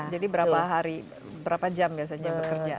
jadi berapa hari berapa jam biasanya bekerja